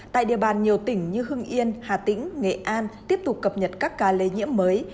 tại địa bàn nhiều tỉnh như hưng yên hà tĩnh nghệ an tiếp tục cập nhật các ca lây nhiễm mới